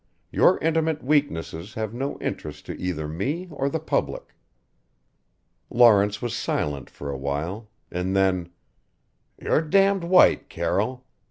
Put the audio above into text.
Your intimate weaknesses have no interest to either me or the public." Lawrence was silent for awhile, and then "You're damned white, Carroll.